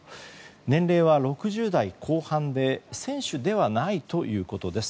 年齢は６０代後半で選手ではないということです。